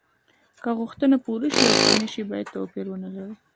که غوښتنه پوره شي او که نشي باید توپیر ونلري.